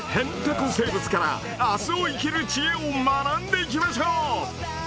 生物から明日を生きる知恵を学んでいきましょう！